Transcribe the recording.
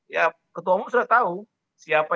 ya ketua umum sudah tahu siapa